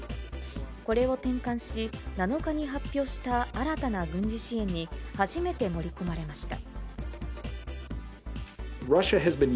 これを転換し、７日に発表した新たな軍事支援に初めて盛り込まれました。